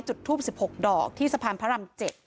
จุดทูป๑๖ดอกที่สะพานพระราม๗